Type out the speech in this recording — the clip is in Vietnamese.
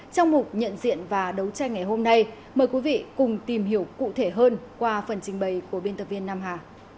trong mục nhận diện và đấu tranh ngày hôm nay mời quý vị cùng tìm hiểu cụ thể hơn qua phần trình bày của biên tập viên nam hà